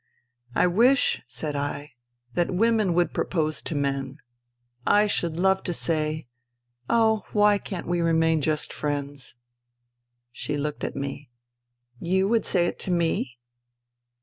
" I wish," said I, " that women would propose to men. ... I should love to say, ' Oh, why can't we remain just friends ?*" She looked at me. " You would say it to me